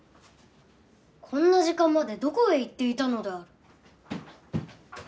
こんな時間までどこへ行っていたのである？